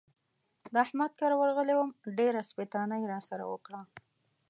د احمد کره ورغلی وم؛ ډېره سپېتانه يې را سره وکړه.